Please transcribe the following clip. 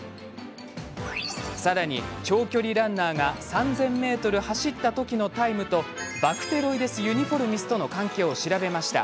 さらに、長距離ランナーが３０００ｍ走った時のタイムとバクテロイデス・ユニフォルミスとの関係を調べました。